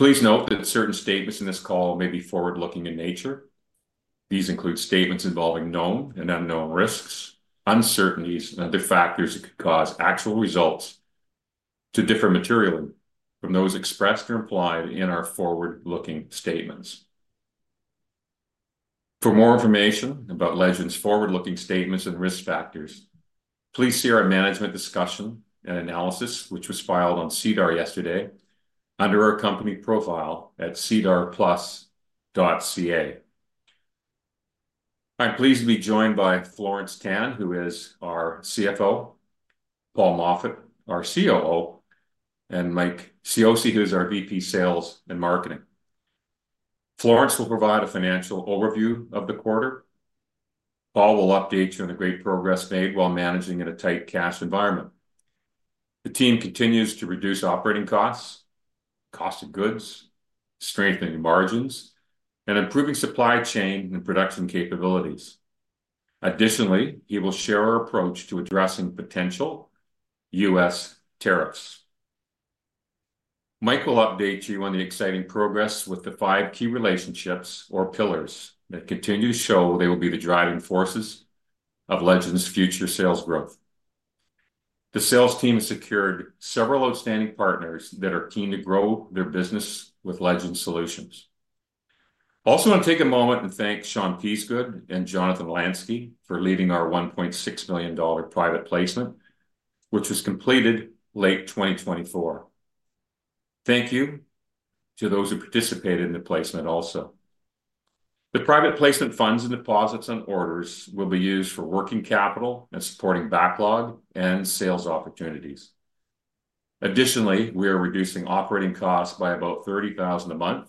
Please note that certain statements in this call may be forward-looking in nature. These include statements involving known and unknown risks, uncertainties, and other factors that could cause actual results to differ materially from those expressed or implied in our forward-looking statements. For more information about Legend's forward-looking statements and risk factors, please see our management discussion and analysis, which was filed on SEDAR yesterday under our company profile at sedarplus.ca. I'm pleased to be joined by Florence Tan, who is our CFO, Paul Moffat, our COO, and Mike Cioce, who is our VP Sales and Marketing. Florence will provide a financial overview of the quarter. Paul will update you on the great progress made while managing in a tight cash environment. The team continues to reduce operating costs, cost of goods, strengthen margins, and improve supply chain and production capabilities. Additionally, he will share our approach to addressing potential U.S. tariffs. Mike will update you on the exciting progress with the five key relationships, or pillars, that continue to show they will be the driving forces of Legend's future sales growth. The sales team has secured several outstanding partners that are keen to grow their business with Legend Solutions. I also want to take a moment and thank Sean Peasgood and Jonathan Lansky for leading our $1.6 million private placement, which was completed late 2024. Thank you to those who participated in the placement also. The private placement funds and deposits on orders will be used for working capital and supporting backlog and sales opportunities. Additionally, we are reducing operating costs by about $30,000 a month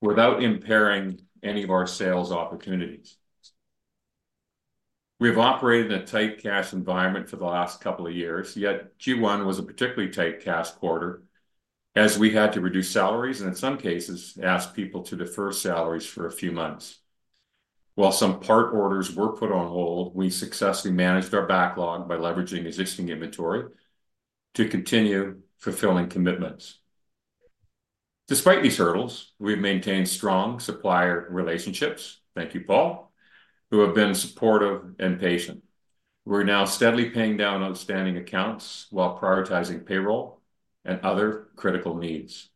without impairing any of our sales opportunities. We have operated in a tight cash environment for the last couple of years, yet Q1 was a particularly tight cash quarter as we had to reduce salaries and, in some cases, ask people to defer salaries for a few months. While some part orders were put on hold, we successfully managed our backlog by leveraging existing inventory to continue fulfilling commitments. Despite these hurdles, we have maintained strong supplier relationships, thank you, Paul, who have been supportive and patient. We are now steadily paying down outstanding accounts while prioritizing payroll and other critical needs.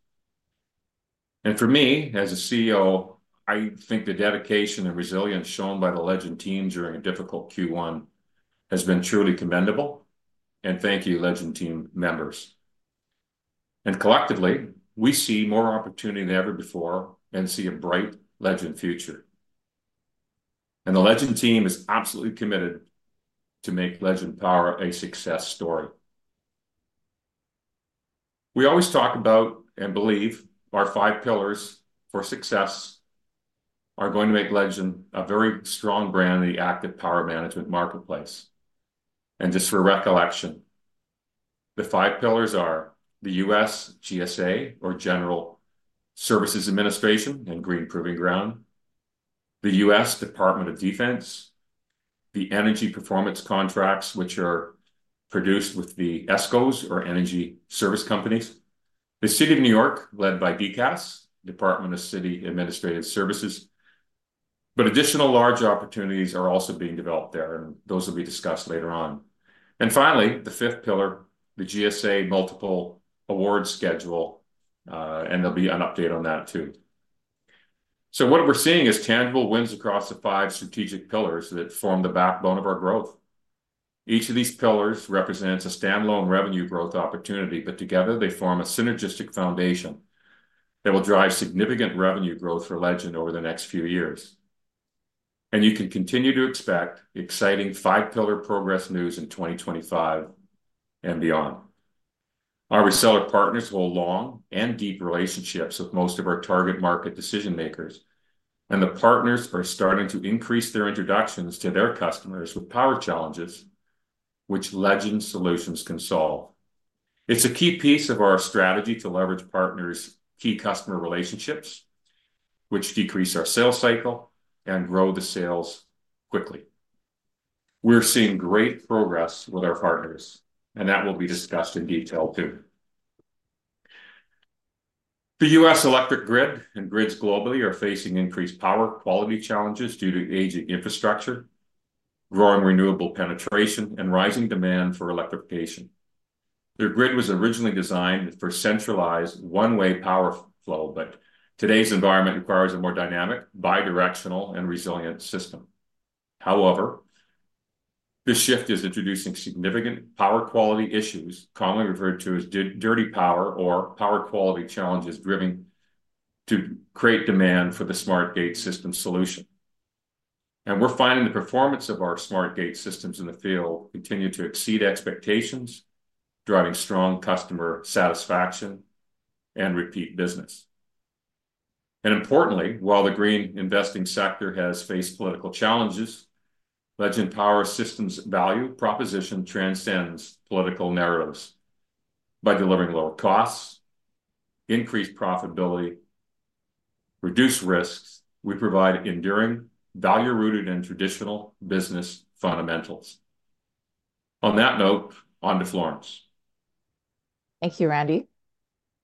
For me, as a CEO, I think the dedication and resilience shown by the Legend team during a difficult Q1 has been truly commendable, and thank you, Legend team members. Collectively, we see more opportunity than ever before and see a bright Legend future. The Legend team is absolutely committed to make Legend Power a success story. We always talk about and believe our five pillars for success are going to make Legend a very strong brand in the active power management marketplace. Just for recollection, the five pillars are the U.S. GSA, or General Services Administration and Green Proving Ground; the U.S. Department of Defense; the energy performance contracts, which are produced with the ESCOs, or energy service companies; the City of New York, led by DCAS, Department of City Administrative Services. Additional large opportunities are also being developed there, and those will be discussed later on. Finally, the fifth pillar, the GSA Multiple Award Schedule, and there will be an update on that too. What we are seeing is tangible wins across the five strategic pillars that form the backbone of our growth. Each of these pillars represents a standalone revenue growth opportunity, but together they form a synergistic foundation that will drive significant revenue growth for Legend over the next few years. You can continue to expect exciting five-pillar progress news in 2025 and beyond. Our reseller partners hold long and deep relationships with most of our target market decision-makers, and the partners are starting to increase their introductions to their customers with power challenges, which Legend Solutions can solve. It is a key piece of our strategy to leverage partners' key customer relationships, which decrease our sales cycle and grow the sales quickly. We are seeing great progress with our partners, and that will be discussed in detail too. The U.S. electric grid and grids globally are facing increased power quality challenges due to aging infrastructure, growing renewable penetration, and rising demand for electrification. The grid was originally designed for centralized one-way power flow, but today's environment requires a more dynamic, bidirectional, and resilient system. However, this shift is introducing significant power quality issues, commonly referred to as dirty power or power quality challenges, driving to create demand for the SmartGATE System solution. We are finding the performance of our SmartGATE Systems in the field continues to exceed expectations, driving strong customer satisfaction and repeat business. Importantly, while the green investing sector has faced political challenges, Legend Power Systems' value proposition transcends political narratives. By delivering lower costs, increased profitability, and reduced risks, we provide enduring, value-rooted, and traditional business fundamentals. On that note, on to Florence. Thank you, Randy.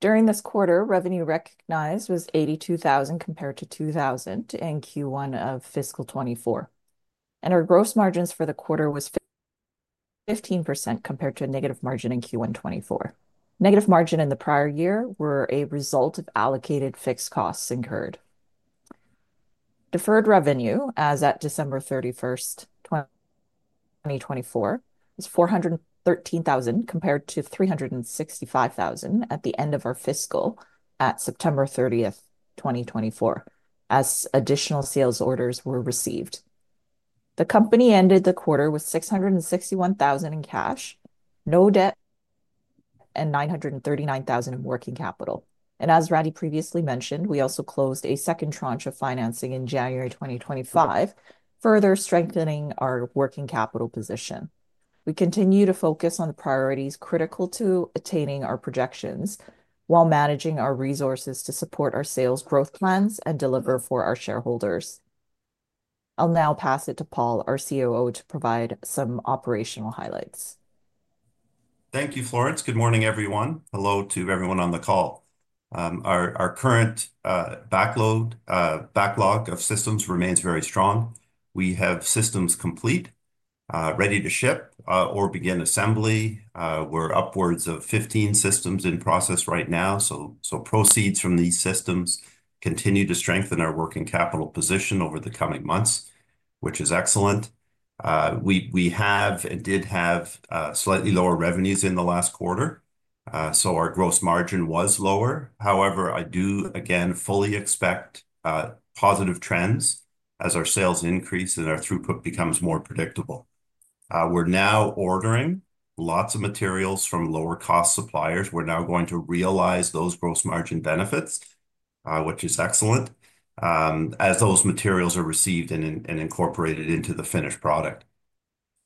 During this quarter, revenue recognized was 82,000 compared to 2,000 in Q1 of fiscal 2024. Our gross margins for the quarter was 15% compared to a negative margin in Q1 2024. Negative margin in the prior year was a result of allocated fixed costs incurred. Deferred revenue, as at December 31, 2024, was 413,000 compared to 365,000 at the end of our fiscal at September 30, 2024, as additional sales orders were received. The company ended the quarter with 661,000 in cash, no debt, and 939,000 in working capital. As Randy previously mentioned, we also closed a second tranche of financing in January 2025, further strengthening our working capital position. We continue to focus on the priorities critical to attaining our projections while managing our resources to support our sales growth plans and deliver for our shareholders. I'll now pass it to Paul, our COO, to provide some operational highlights. Thank you, Florence. Good morning, everyone. Hello to everyone on the call. Our current backlog of systems remains very strong. We have systems complete, ready to ship or begin assembly. We're upwards of 15 systems in process right now. Proceeds from these systems continue to strengthen our working capital position over the coming months, which is excellent. We have and did have slightly lower revenues in the last quarter, so our gross margin was lower. However, I do, again, fully expect positive trends as our sales increase and our throughput becomes more predictable. We're now ordering lots of materials from lower-cost suppliers. We're now going to realize those gross margin benefits, which is excellent, as those materials are received and incorporated into the finished product.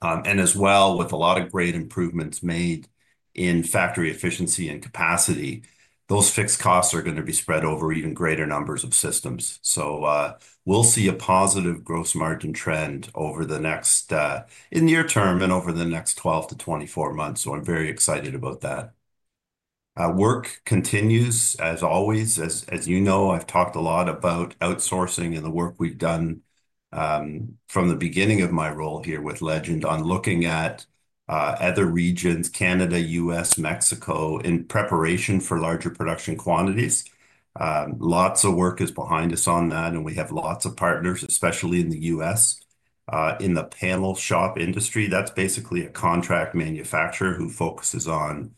As well, with a lot of great improvements made in factory efficiency and capacity, those fixed costs are going to be spread over even greater numbers of systems. We will see a positive gross margin trend over the next near term and over the next 12-24 months. I am very excited about that. Work continues, as always. As you know, I have talked a lot about outsourcing and the work we have done from the beginning of my role here with Legend on looking at other regions: Canada, U.S., Mexico, in preparation for larger production quantities. Lots of work is behind us on that, and we have lots of partners, especially in the U.S., in the panel shop industry. That is basically a contract manufacturer who focuses on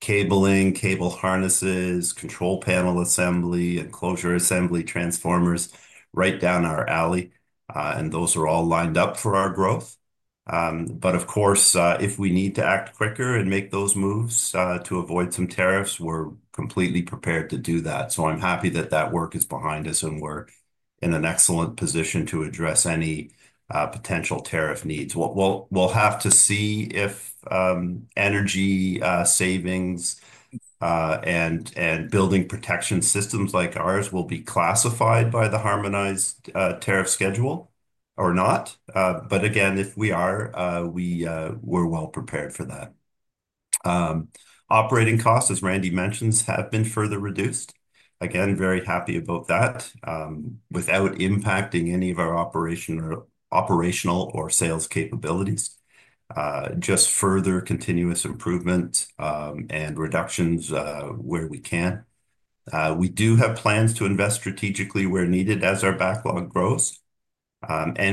cabling, cable harnesses, control panel assembly, enclosure assembly, transformers, right down our alley. Those are all lined up for our growth. Of course, if we need to act quicker and make those moves to avoid some tariffs, we're completely prepared to do that. I'm happy that that work is behind us, and we're in an excellent position to address any potential tariff needs. We'll have to see if energy savings and building protection systems like ours will be classified by the Harmonized Tariff Schedule or not. Again, if we are, we're well prepared for that. Operating costs, as Randy mentioned, have been further reduced. Again, very happy about that, without impacting any of our operational or sales capabilities. Just further continuous improvement and reductions where we can. We do have plans to invest strategically where needed as our backlog grows.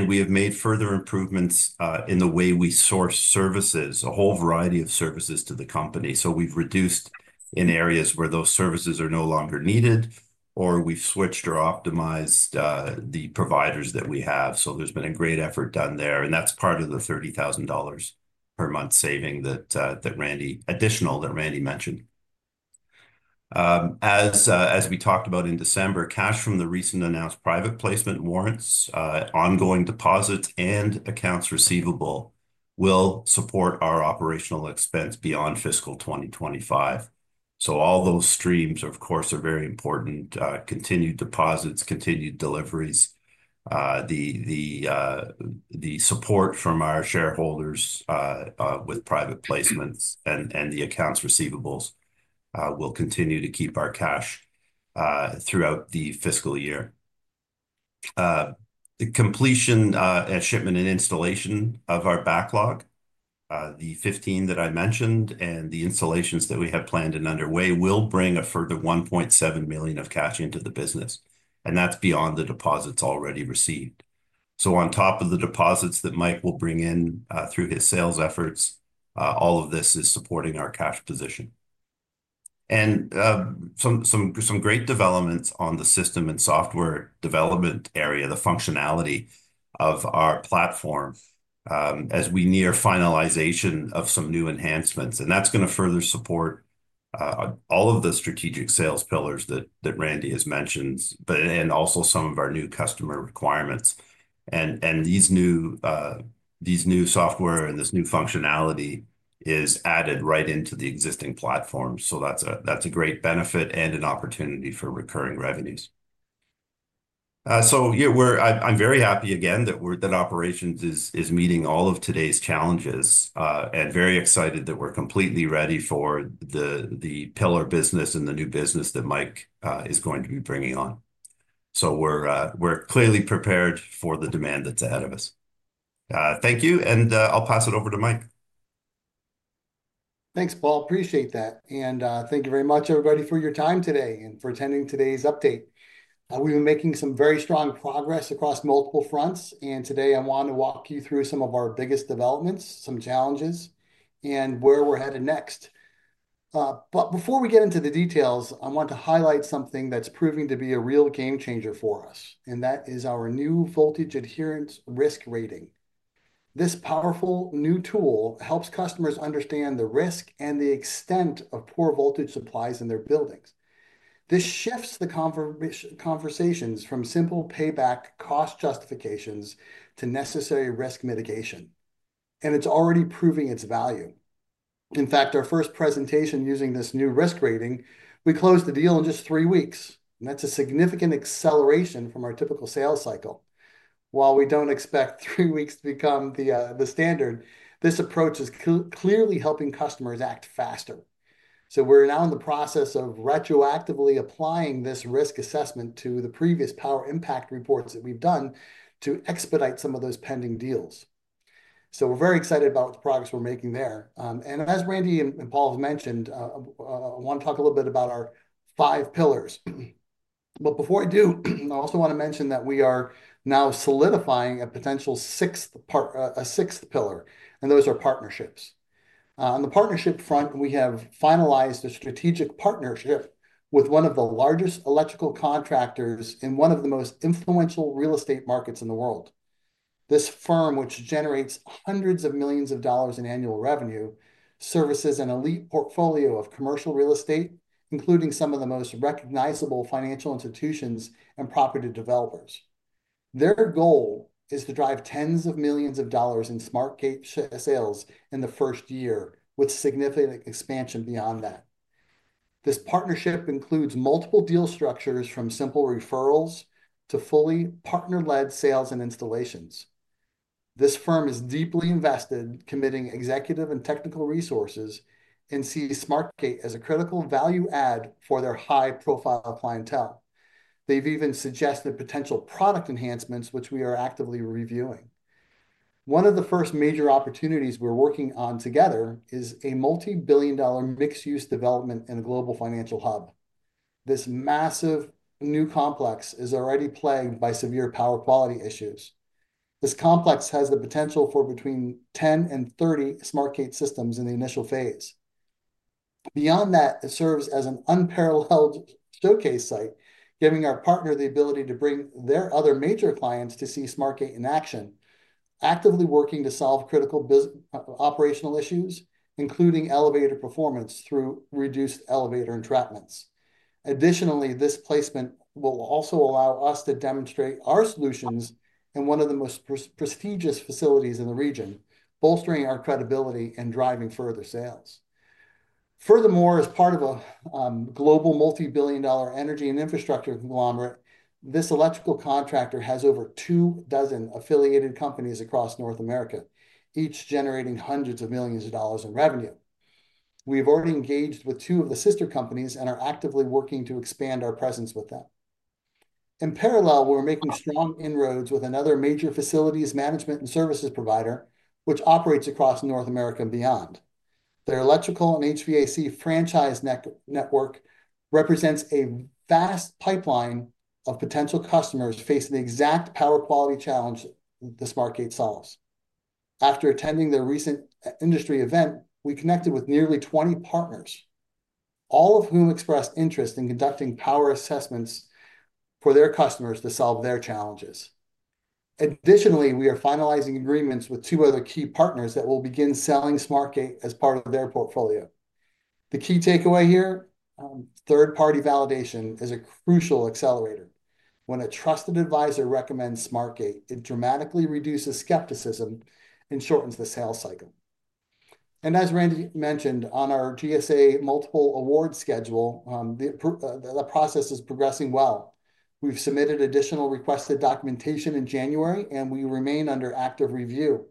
We have made further improvements in the way we source services, a whole variety of services to the company. We have reduced in areas where those services are no longer needed, or we have switched or optimized the providers that we have. There has been a great effort done there. That is part of the $30,000 per month saving that Randy mentioned. As we talked about in December, cash from the recently announced private placement warrants, ongoing deposits, and accounts receivable will support our operational expense beyond fiscal 2025. All those streams, of course, are very important: continued deposits, continued deliveries, the support from our shareholders with private placements, and the accounts receivable will continue to keep our cash throughout the fiscal year. The completion and shipment and installation of our backlog, the 15 that I mentioned and the installations that we have planned and underway, will bring a further $1.7 million of cash into the business. That is beyond the deposits already received. On top of the deposits that Mike will bring in through his sales efforts, all of this is supporting our cash position. Some great developments on the system and software development area, the functionality of our platform, as we near finalization of some new enhancements. That is going to further support all of the strategic sales pillars that Randy has mentioned, and also some of our new customer requirements. These new software and this new functionality is added right into the existing platform. That is a great benefit and an opportunity for recurring revenues. I am very happy, again, that Operations is meeting all of today's challenges and very excited that we are completely ready for the pillar business and the new business that Mike is going to be bringing on. We are clearly prepared for the demand that is ahead of us. Thank you, and I'll pass it over to Mike. Thanks, Paul. Appreciate that. Thank you very much, everybody, for your time today and for attending today's update. We've been making some very strong progress across multiple fronts. Today, I want to walk you through some of our biggest developments, some challenges, and where we're headed next. Before we get into the details, I want to highlight something that's proving to be a real game changer for us, and that is our new Voltage Adherence Risk Rating. This powerful new tool helps customers understand the risk and the extent of poor voltage supplies in their buildings. This shifts the conversations from simple payback cost justifications to necessary risk mitigation. It's already proving its value. In fact, our first presentation using this new risk rating, we closed the deal in just three weeks. That's a significant acceleration from our typical sales cycle. While we do not expect three weeks to become the standard, this approach is clearly helping customers act faster. We are now in the process of retroactively applying this risk assessment to the previous Power Impact Reports that we have done to expedite some of those pending deals. We are very excited about the progress we are making there. As Randy and Paul have mentioned, I want to talk a little bit about our five pillars. Before I do, I also want to mention that we are now solidifying a potential sixth pillar, and those are partnerships. On the partnership front, we have finalized a strategic partnership with one of the largest electrical contractors in one of the most influential real estate markets in the world. This firm, which generates hundreds of millions of dollars in annual revenue, services an elite portfolio of commercial real estate, including some of the most recognizable financial institutions and property developers. Their goal is to drive tens of millions of dollars in SmartGATE sales in the first year, with significant expansion beyond that. This partnership includes multiple deal structures from simple referrals to fully partner-led sales and installations. This firm is deeply invested, committing executive and technical resources, and sees SmartGATE as a critical value add for their high-profile clientele. They've even suggested potential product enhancements, which we are actively reviewing. One of the first major opportunities we're working on together is a multi-billion dollar mixed-use development in a global financial hub. This massive new complex is already plagued by severe power quality issues. This complex has the potential for between 10 and 30 SmartGATE systems in the initial phase. Beyond that, it serves as an unparalleled showcase site, giving our partner the ability to bring their other major clients to see SmartGATE in action, actively working to solve critical operational issues, including elevator performance through reduced elevator entrapments. Additionally, this placement will also allow us to demonstrate our solutions in one of the most prestigious facilities in the region, bolstering our credibility and driving further sales. Furthermore, as part of a global multi-billion dollar energy and infrastructure conglomerate, this electrical contractor has over two dozen affiliated companies across North America, each generating hundreds of millions of dollars in revenue. We've already engaged with two of the sister companies and are actively working to expand our presence with them. In parallel, we're making strong inroads with another major facilities management and services provider, which operates across North America and beyond. Their electrical and HVAC franchise network represents a vast pipeline of potential customers facing the exact power quality challenge the Smart Gate solves. After attending their recent industry event, we connected with nearly 20 partners, all of whom expressed interest in conducting power assessments for their customers to solve their challenges. Additionally, we are finalizing agreements with two other key partners that will begin selling Smart Gate as part of their portfolio. The key takeaway here, third-party validation, is a crucial accelerator. When a trusted advisor recommends Smart Gate, it dramatically reduces skepticism and shortens the sales cycle. As Randy mentioned, on our GSA Multiple Award Schedule, the process is progressing well. We've submitted additional requested documentation in January, and we remain under active review.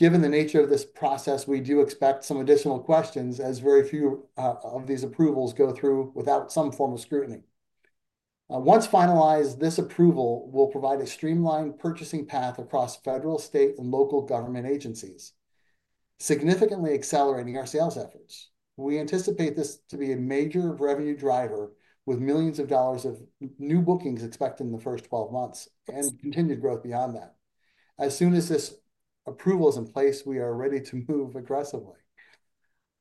Given the nature of this process, we do expect some additional questions as very few of these approvals go through without some form of scrutiny. Once finalized, this approval will provide a streamlined purchasing path across federal, state, and local government agencies, significantly accelerating our sales efforts. We anticipate this to be a major revenue driver with millions of dollars of new bookings expected in the first 12 months and continued growth beyond that. As soon as this approval is in place, we are ready to move aggressively.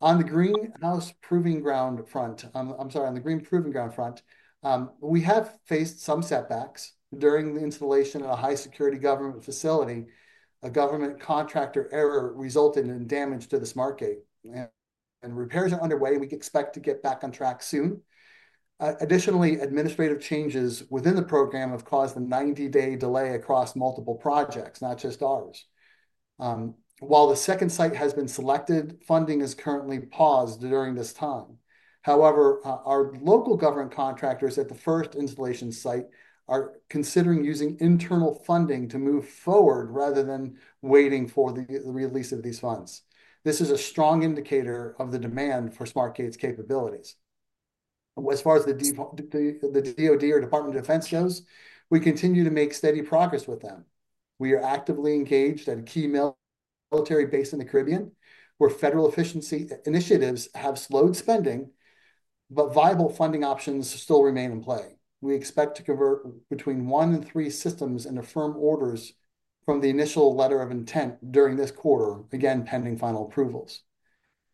On the Green Proving Ground front, we have faced some setbacks during the installation of a high-security government facility. A government contractor error resulted in damage to the Smart Gate, and repairs are underway. We expect to get back on track soon. Additionally, administrative changes within the program have caused a 90-day delay across multiple projects, not just ours. While the second site has been selected, funding is currently paused during this time. However, our local government contractors at the first installation site are considering using internal funding to move forward rather than waiting for the release of these funds. This is a strong indicator of the demand for Smart Gate's capabilities. As far as the DOD or Department of Defense goes, we continue to make steady progress with them. We are actively engaged at a key military base in the Caribbean, where federal efficiency initiatives have slowed spending, but viable funding options still remain in play. We expect to convert between one and three systems and affirm orders from the initial letter of intent during this quarter, again, pending final approvals.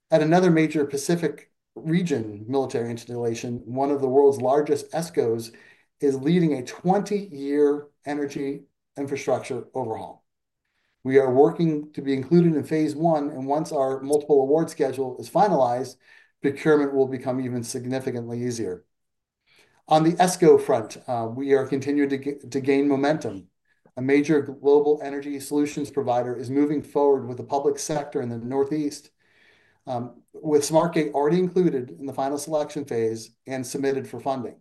At another major Pacific region military installation, one of the world's largest ESCOs is leading a 20-year energy infrastructure overhaul. We are working to be included in phase one, and once our multiple award schedule is finalized, procurement will become even significantly easier. On the ESCO front, we are continuing to gain momentum. A major global energy solutions provider is moving forward with the public sector in the Northeast, with Smart Gate already included in the final selection phase and submitted for funding.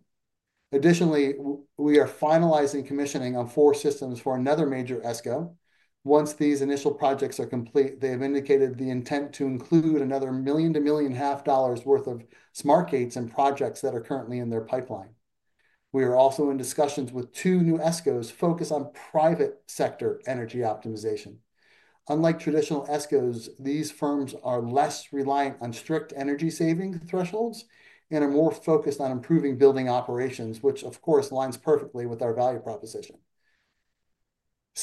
Additionally, we are finalizing commissioning on four systems for another major ESCO. Once these initial projects are complete, they have indicated the intent to include another $1 million to $1.5 million worth of Smart Gates and projects that are currently in their pipeline. We are also in discussions with two new ESCOs focused on private sector energy optimization. Unlike traditional ESCOs, these firms are less reliant on strict energy savings thresholds and are more focused on improving building operations, which, of course, aligns perfectly with our value proposition.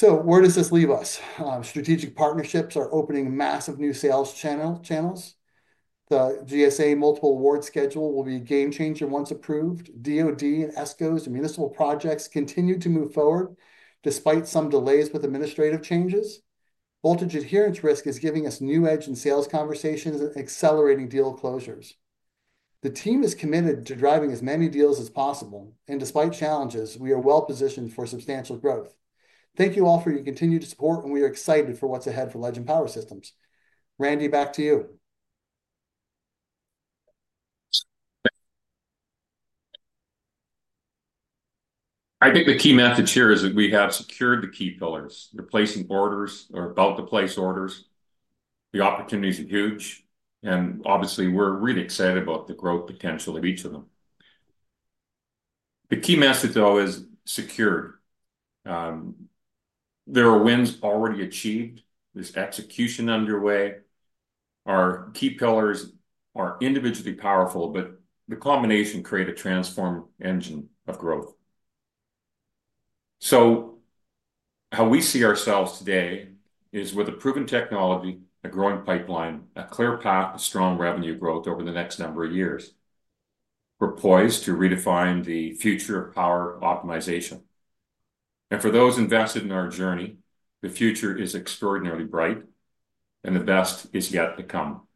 Where does this leave us? Strategic partnerships are opening massive new sales channels. The GSA Multiple Award Schedule will be a game changer once approved. DOD and ESCOs and municipal projects continue to move forward despite some delays with administrative changes. Voltage adherence risk is giving us new edge in sales conversations and accelerating deal closures. The team is committed to driving as many deals as possible. Despite challenges, we are well positioned for substantial growth. Thank you all for your continued support, and we are excited for what is ahead for Legend Power Systems. Randy, back to you. I think the key message here is that we have secured the key pillars, replacing orders or about to place orders. The opportunities are huge, and obviously, we're really excited about the growth potential of each of them. The key message, though, is secured. There are wins already achieved. There's execution underway. Our key pillars are individually powerful, but the combination creates a transform engine of growth. How we see ourselves today is with a proven technology, a growing pipeline, a clear path, and strong revenue growth over the next number of years. We're poised to redefine the future of power optimization. For those invested in our journey, the future is extraordinarily bright, and the best is yet to come.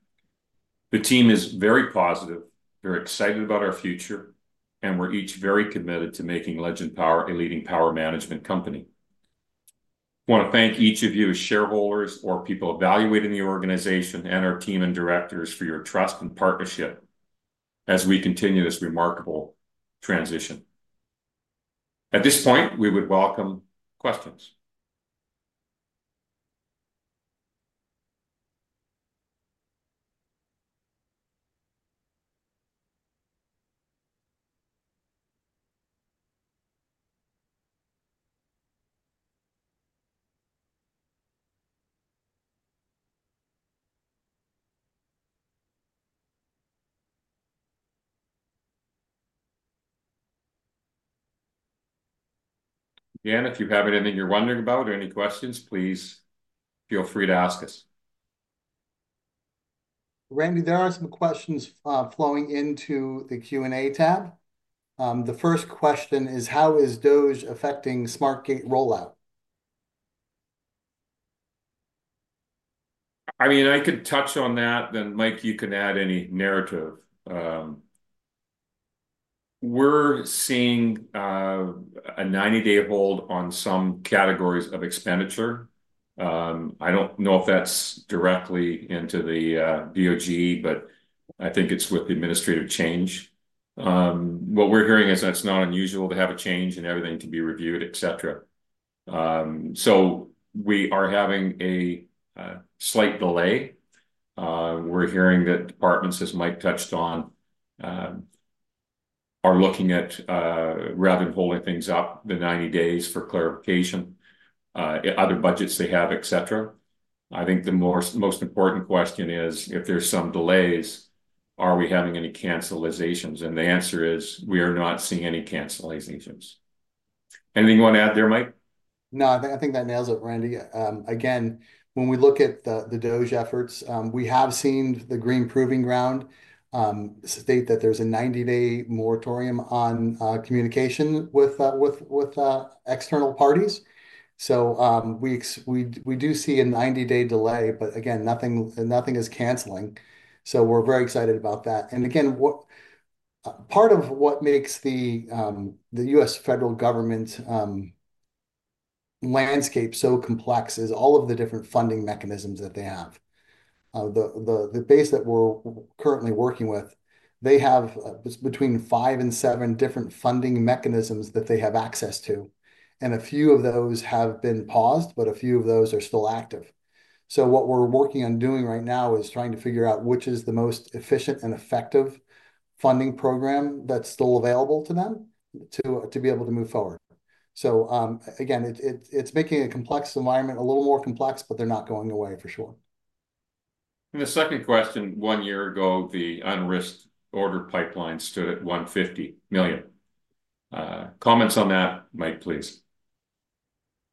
The team is very positive, very excited about our future, and we're each very committed to making Legend Power a leading power management company. I want to thank each of you as shareholders or people evaluating the organization and our team and directors for your trust and partnership as we continue this remarkable transition. At this point, we would welcome questions. Again, if you have anything you're wondering about or any questions, please feel free to ask us. Randy, there are some questions flowing into the Q&A tab. The first question is, how is DOGE affecting Smart Gate rollout? I mean, I could touch on that, then Mike, you can add any narrative. We're seeing a 90-day hold on some categories of expenditure. I don't know if that's directly into the DOGE, but I think it's with the administrative change. What we're hearing is that's not unusual to have a change and everything to be reviewed, etc. We are having a slight delay. We're hearing that departments, as Mike touched on, are looking at rather than holding things up the 90 days for clarification, other budgets they have, etc. I think the most important question is, if there's some delays, are we having any cancelizations? The answer is, we are not seeing any cancelizations. Anything you want to add there, Mike? No, I think that nails it, Randy. Again, when we look at the DOGE efforts, we have seen the Green Proving Ground state that there's a 90-day moratorium on communication with external parties. We do see a 90-day delay, but again, nothing is canceling. We are very excited about that. Part of what makes the U.S. federal government landscape so complex is all of the different funding mechanisms that they have. The base that we're currently working with, they have between five and seven different funding mechanisms that they have access to. A few of those have been paused, but a few of those are still active. What we're working on doing right now is trying to figure out which is the most efficient and effective funding program that's still available to them to be able to move forward. It's making a complex environment a little more complex, but they're not going away for sure. The second question, one year ago, the unrisked order pipeline stood at $150 million. Comments on that, Mike, please.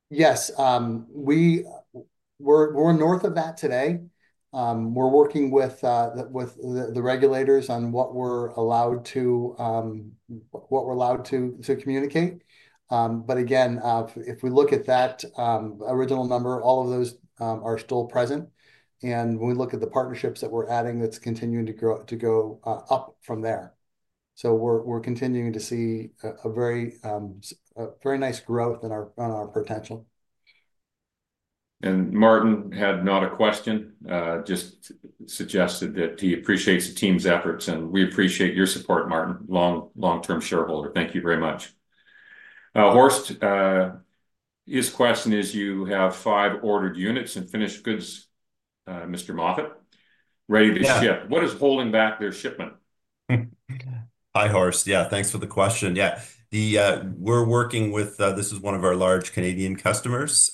Yes. We're north of that today. We're working with the regulators on what we're allowed to communicate. Again, if we look at that original number, all of those are still present. When we look at the partnerships that we're adding, that's continuing to go up from there. We're continuing to see a very nice growth on our potential. Martin had not a question, just suggested that he appreciates the team's efforts. We appreciate your support, Martin, long-term shareholder. Thank you very much. Horst, his question is, you have five ordered units and finished goods, Mr. Moffat, ready to ship. What is holding back their shipment? Hi, Horst. Yeah, thanks for the question. Yeah. We're working with, this is one of our large Canadian customers.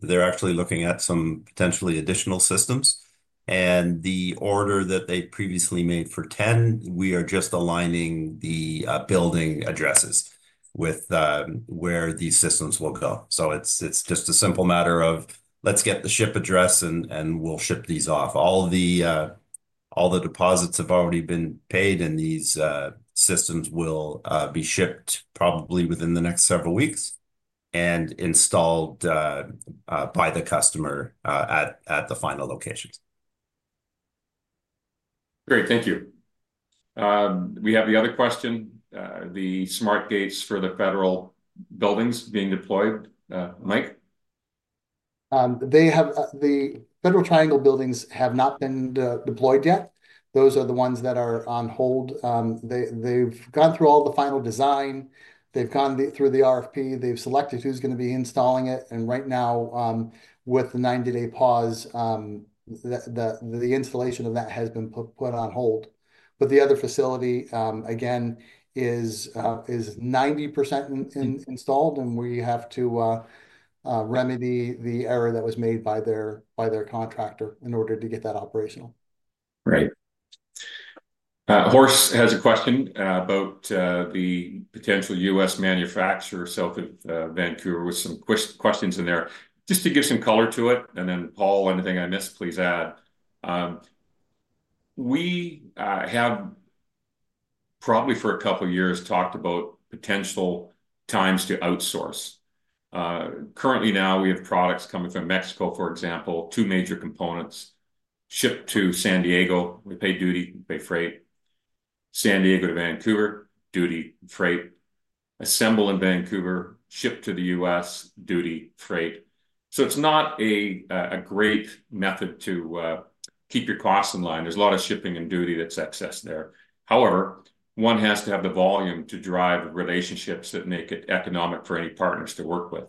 They're actually looking at some potentially additional systems. The order that they previously made for 10, we are just aligning the building addresses with where these systems will go. It is just a simple matter of, let's get the ship address and we'll ship these off. All the deposits have already been paid and these systems will be shipped probably within the next several weeks and installed by the customer at the final locations. Great. Thank you. We have the other question, the Smart Gates for the federal buildings being deployed. Mike? The Federal Triangle buildings have not been deployed yet. Those are the ones that are on hold. They've gone through all the final design. They've gone through the RFP. They've selected who's going to be installing it. Right now, with the 90-day pause, the installation of that has been put on hold. The other facility, again, is 90% installed, and we have to remedy the error that was made by their contractor in order to get that operational. Right. Horst has a question about the potential U.S. manufacturer, Southern Vancouver, with some questions in there. Just to give some color to it, and then Paul, anything I missed, please add. We have probably for a couple of years talked about potential times to outsource. Currently now, we have products coming from Mexico, for example, two major components, ship to San Diego, we pay duty, we pay freight. San Diego to Vancouver, duty, freight. Assemble in Vancouver, ship to the U.S., duty, freight. It is not a great method to keep your costs in line. There is a lot of shipping and duty that is excess there. However, one has to have the volume to drive relationships that make it economic for any partners to work with.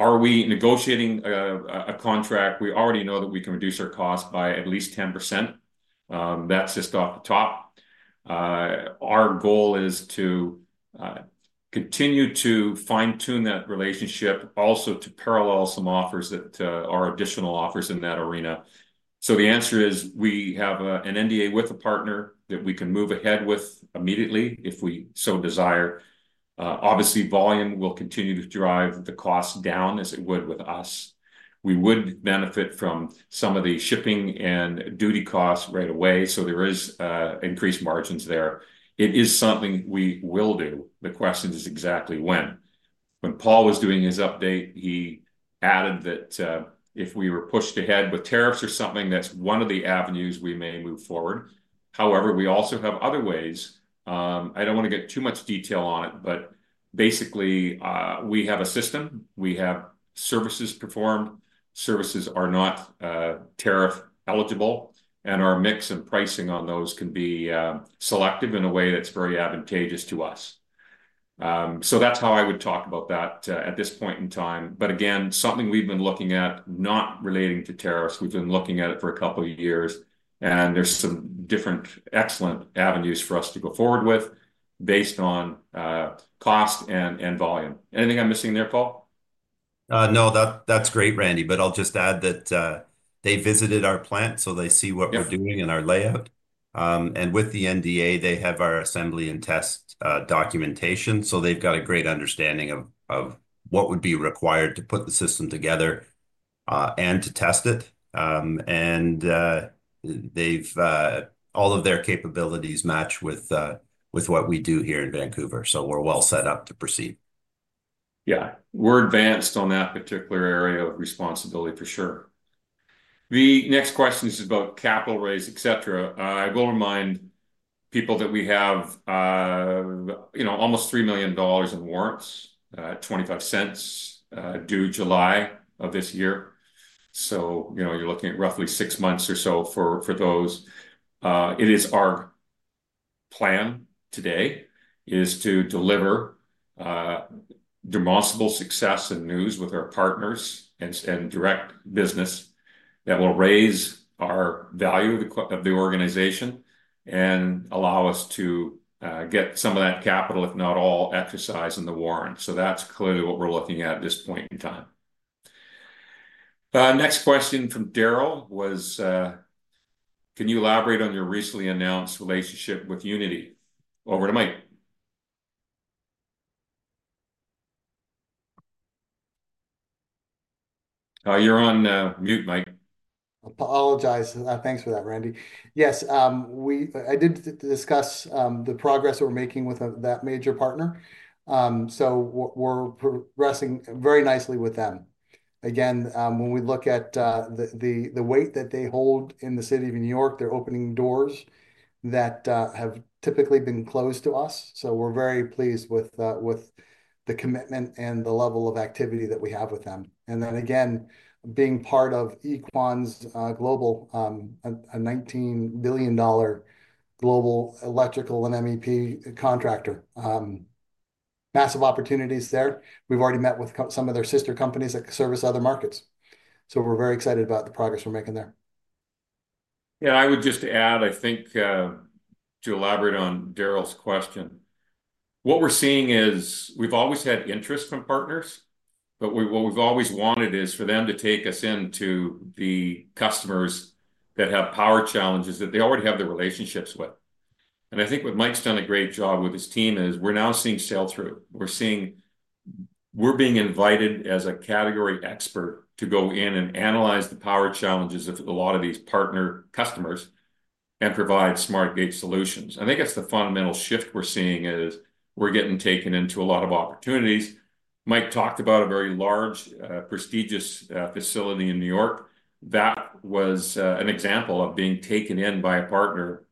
Are we negotiating a contract? We already know that we can reduce our cost by at least 10%. That is just off the top. Our goal is to continue to fine-tune that relationship, also to parallel some offers that are additional offers in that arena. The answer is we have an NDA with a partner that we can move ahead with immediately if we so desire. Obviously, volume will continue to drive the cost down as it would with us. We would benefit from some of the shipping and duty costs right away. There are increased margins there. It is something we will do. The question is exactly when. When Paul was doing his update, he added that if we were pushed ahead with tariffs or something, that is one of the avenues we may move forward. However, we also have other ways. I do not want to get too much detail on it, but basically, we have a system. We have services performed. Services are not tariff eligible. Our mix and pricing on those can be selective in a way that's very advantageous to us. That is how I would talk about that at this point in time. Again, something we've been looking at, not relating to tariffs. We've been looking at it for a couple of years. There are some different excellent avenues for us to go forward with based on cost and volume. Anything I'm missing there, Paul? No, that's great, Randy, but I'll just add that they visited our plant so they see what we're doing and our layout. With the NDA, they have our assembly and test documentation. They have a great understanding of what would be required to put the system together and to test it. All of their capabilities match with what we do here in Vancouver. We are well set up to proceed. Yeah. We're advanced on that particular area of responsibility, for sure. The next question is about capital raise, etc. I will remind people that we have almost 3 million dollars in warrants, $0.25 due July of this year. So you're looking at roughly six months or so for those. It is our plan today is to deliver demonstrable success and news with our partners and direct business that will raise our value of the organization and allow us to get some of that capital, if not all, exercised in the warrant. That's clearly what we're looking at at this point in time. Next question from Daryl was, can you elaborate on your recently announced relationship with Unity? Over to Mike. You're on mute, Mike. Apologize. Thanks for that, Randy. Yes, I did discuss the progress we're making with that major partner. We are progressing very nicely with them. When we look at the weight that they hold in the City of New York, they are opening doors that have typically been closed to us. We are very pleased with the commitment and the level of activity that we have with them. Being part of Equans' global $19 billion global electrical and MEP contractor, there are massive opportunities there. We have already met with some of their sister companies that service other markets. We are very excited about the progress we're making there. Yeah. I would just add, I think to elaborate on Daryl's question, what we're seeing is we've always had interest from partners, but what we've always wanted is for them to take us into the customers that have power challenges that they already have the relationships with. I think what Mike's done a great job with his team is we're now seeing sell-through. We're being invited as a category expert to go in and analyze the power challenges of a lot of these partner customers and provide Smart Gate solutions. I think the fundamental shift we're seeing is we're getting taken into a lot of opportunities. Mike talked about a very large, prestigious facility in New York. That was an example of being taken in by a partner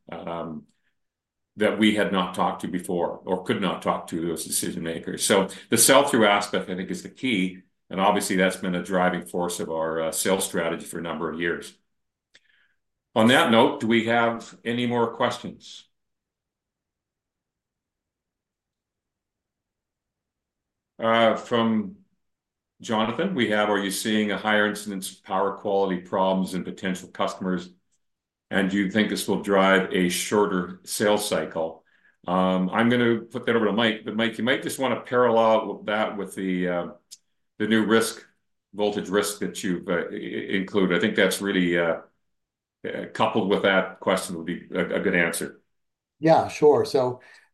that we had not talked to before or could not talk to those decision-makers. The sell-through aspect, I think, is the key. Obviously, that's been a driving force of our sales strategy for a number of years. On that note, do we have any more questions? From Jonathan, we have, are you seeing a higher incidence of power quality problems and potential customers? Do you think this will drive a shorter sales cycle? I'm going to put that over to Mike. Mike, you might just want to parallel that with the new voltage risk that you've included. I think that's really coupled with that question and would be a good answer. Yeah, sure.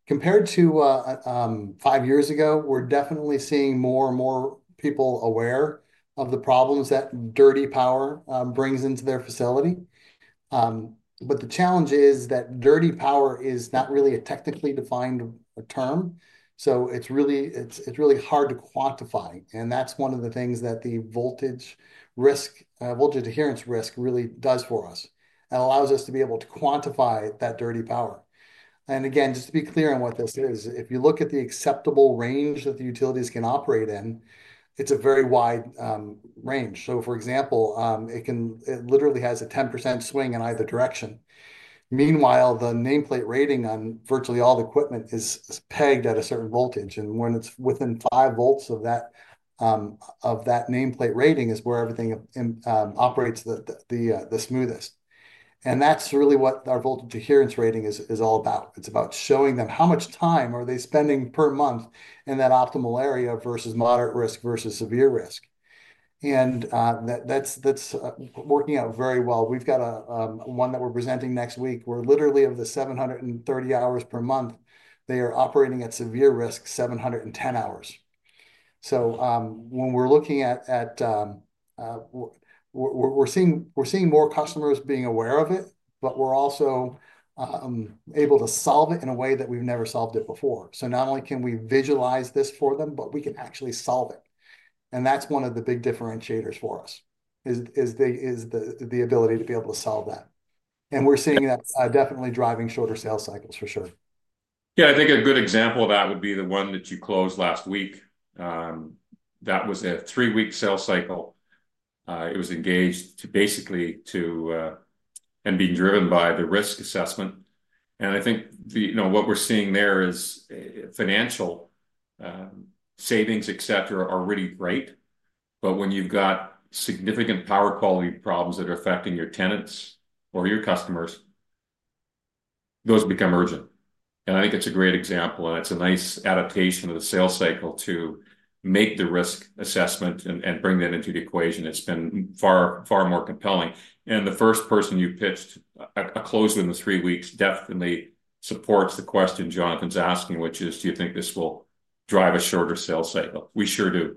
Compared to five years ago, we're definitely seeing more and more people aware of the problems that dirty power brings into their facility. The challenge is that dirty power is not really a technically defined term. It's really hard to quantify. That's one of the things that the Voltage Adherence Risk Rating really does for us. It allows us to be able to quantify that dirty power. Again, just to be clear on what this is, if you look at the acceptable range that the utilities can operate in, it's a very wide range. For example, it literally has a 10% swing in either direction. Meanwhile, the nameplate rating on virtually all the equipment is pegged at a certain voltage. When it's within five volts of that nameplate rating is where everything operates the smoothest. That is really what our voltage adherence rating is all about. It is about showing them how much time they are spending per month in that optimal area versus moderate risk versus severe risk. That is working out very well. We have one that we are presenting next week. Literally, of the 730 hours per month, they are operating at severe risk 710 hours. When we are looking at it, we are seeing more customers being aware of it, but we are also able to solve it in a way that we have never solved it before. Not only can we visualize this for them, but we can actually solve it. That is one of the big differentiators for us, the ability to be able to solve that. We are seeing that definitely driving shorter sales cycles for sure. Yeah. I think a good example of that would be the one that you closed last week. That was a three-week sales cycle. It was engaged basically to and being driven by the risk assessment. I think what we're seeing there is financial savings, etc., are really great. When you've got significant power quality problems that are affecting your tenants or your customers, those become urgent. I think it's a great example. It's a nice adaptation of the sales cycle to make the risk assessment and bring that into the equation. It's been far more compelling. The first person you pitched, I closed in the three weeks, definitely supports the question Jonathan's asking, which is, do you think this will drive a shorter sales cycle? We sure do.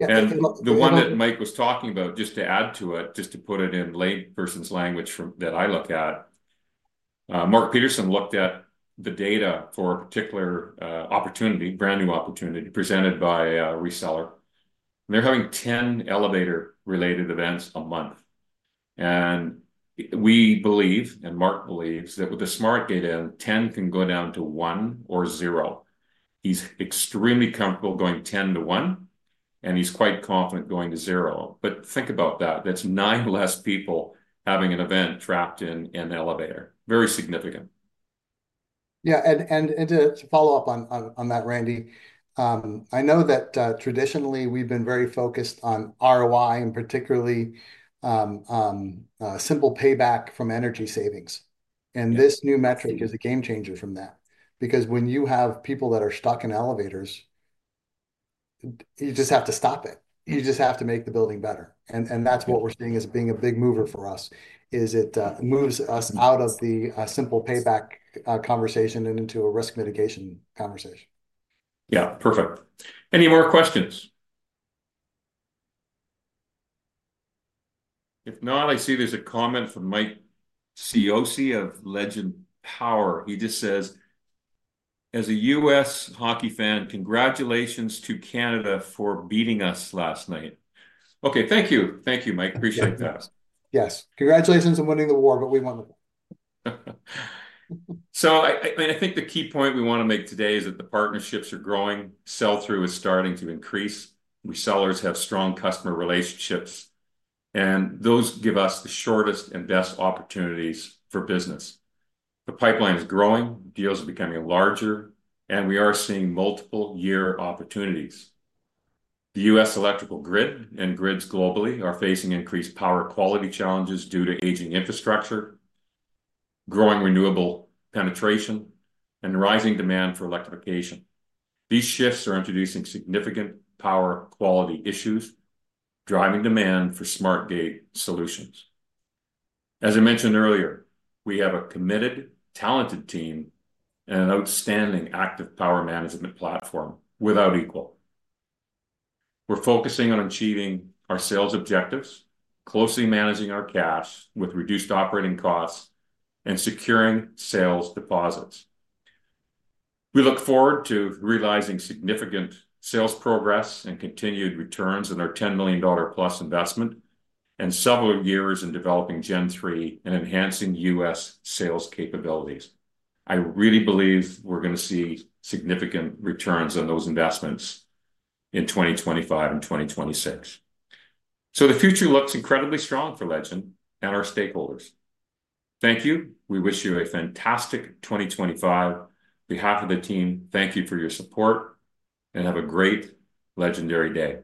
The one that Mike was talking about, just to add to it, just to put it in lay person's language that I look at, Mark Peterson looked at the data for a particular opportunity, brand new opportunity presented by a reseller. They are having 10 elevator-related events a month. We believe, and Mark believes, that with the smart data, 10 can go down to 1 or 0. He is extremely comfortable going 10 to 1, and he is quite confident going to 0. Think about that. That is nine less people having an event trapped in an elevator. Very significant. Yeah. To follow up on that, Randy, I know that traditionally we've been very focused on ROI and particularly simple payback from energy savings. This new metric is a game changer from that. Because when you have people that are stuck in elevators, you just have to stop it. You just have to make the building better. That is what we are seeing as being a big mover for us, is it moves us out of the simple payback conversation and into a risk mitigation conversation. Yeah. Perfect. Any more questions? If not, I see there's a comment from Mike Cioce of Legend Power. He just says, "As a U.S. hockey fan, congratulations to Canada for beating us last night." Okay. Thank you. Thank you, Mike. Appreciate that. Yes. Congratulations on winning the war, but we won the war. I think the key point we want to make today is that the partnerships are growing, sell-through is starting to increase, resellers have strong customer relationships, and those give us the shortest and best opportunities for business. The pipeline is growing, deals are becoming larger, and we are seeing multiple-year opportunities. The U.S. electrical grid and grids globally are facing increased power quality challenges due to aging infrastructure, growing renewable penetration, and rising demand for electrification. These shifts are introducing significant power quality issues, driving demand for Smart Gate solutions. As I mentioned earlier, we have a committed, talented team, and an outstanding active power management platform without equal. We're focusing on achieving our sales objectives, closely managing our cash with reduced operating costs, and securing sales deposits. We look forward to realizing significant sales progress and continued returns in our 10 million dollar-plus investment and several years in developing Gen 3 and enhancing U.S. sales capabilities. I really believe we're going to see significant returns on those investments in 2025 and 2026. The future looks incredibly strong for Legend and our stakeholders. Thank you. We wish you a fantastic 2025. On behalf of the team, thank you for your support, and have a great legendary day.